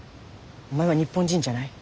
お前は日本人じゃない。